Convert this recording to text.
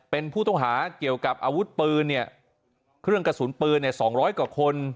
เป็นผู้ต้องหาเกี่ยวกับอาวุธปืนเนี่ยเครื่องกระสุนปืน๒๐๐กว่าคน